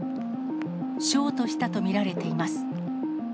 ショートしたと見られています。